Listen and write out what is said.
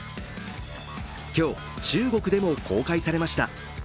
今日、中国でも公開されました。